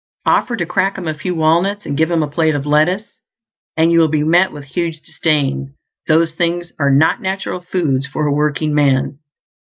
Offer to crack him a few walnuts and give him a plate of lettuce, and you will be met with huge disdain; those things are not natural foods for a workingman.